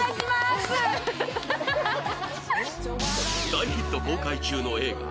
大ヒット公開中の映画